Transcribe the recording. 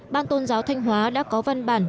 ban tôn giáo thanh hóa đã có văn bản